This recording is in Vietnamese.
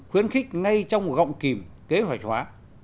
khuyến khích ngay trong gọng kìm kế hoạch hóa